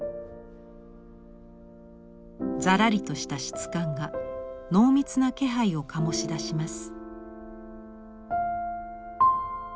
ざらりとした質感が濃密な気配を醸し出します。